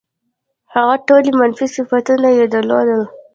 هغه ټول منفي صفتونه یې درلودل.